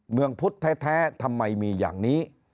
เมืองพุทธแท้ทำไมมีอย่างนี้